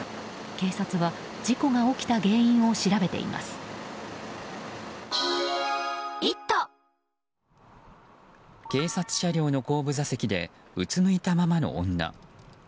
警察車両の後部座席でうつむいたままの女。